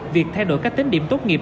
việc thay đổi các tính điểm tốt nghiệp